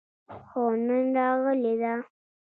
هو، نن راغلې ده